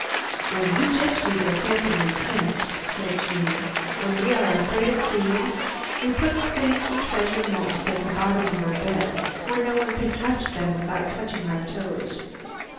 "When we gypsies are camping in tents," said Jeanne, "when we are afraid of thieves, we put the things we treasure most at the bottom of our bed where no one can touch them without touching our toes."